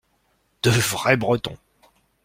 De vrais Bretons.